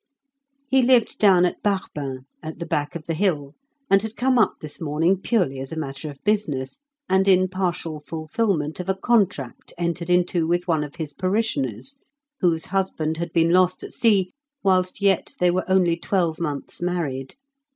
He lived down at Barbeng, at the back of the hill, and had come up this morning purely as a matter of business, and in partial fulfilment of a contract entered into with one of his parishioners, whose husband had been lost at sea whilst yet they were only twelve months married.